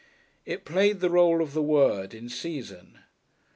It played the rôle of the word in season.